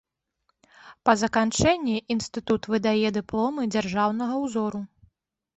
Па заканчэнні інстытут выдае дыпломы дзяржаўнага ўзору.